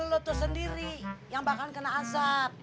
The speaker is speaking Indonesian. lo tuh sendiri yang bakal kena azab